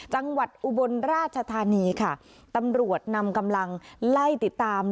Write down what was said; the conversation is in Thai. อุบลราชธานีค่ะตำรวจนำกำลังไล่ติดตาม